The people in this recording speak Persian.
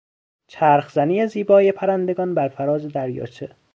چرخزنی زیبای پرندگان بر فراز دریاچه